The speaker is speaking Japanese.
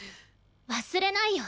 忘れないよ。